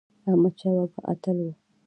احمد شاه بابا اتل و